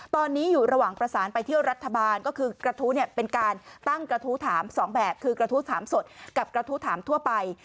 ตอนนี้อยู่ระหว่างประสานไปเที่ยวรัฐบาลก็คือกระทู้เนี่ยเป็นการตั้งกระทู้ถามสองแบบคือกระทู้ถามสดกับกระทู้ถามทั่วไป